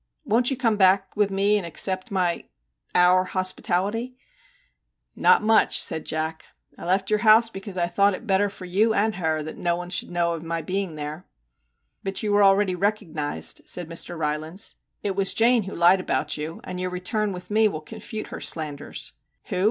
Won't you come back with me and accept my our hospitality ?'* Not much,' said Jack. ' I left your house MR. JACK HAMLIN'S MEDIATION 63 because I thought it better for you and her that no one should know of my being there/ * But you were already recognised/ said Mr. Rylands. ' It was Jane who lied about you, and your return with me will confute her slanders/ 'Who?